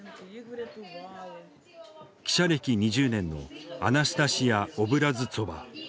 記者歴２０年のアナスタシヤ・オブラズツォヴァ。